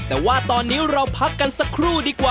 ออกมาต่อขอโชว์